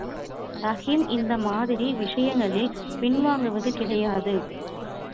ரஹீம் இந்த மாதிரி விஷயங்களில் பின்வாங்குவது கிடையாது.